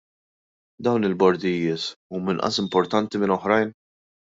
Dawn il-bordijiet huma inqas importanti minn oħrajn?